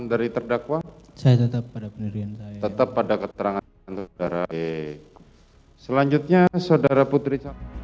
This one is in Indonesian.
dari terdakwa saya tetap pada penyelidikan tetap pada keterangan saudara selanjutnya saudara putri